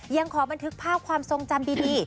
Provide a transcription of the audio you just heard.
ยังขอบันทึกภาพความทรงจำดี